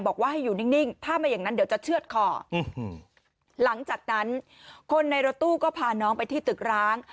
บอกว่าให้อยู่นิ่งถ้าไม่อย่างนั้นเดี๋ยวจะเชื่อดคอหลังจากนั้นคนในรถตู้ก็พาน้องไปที่ตึกร้าง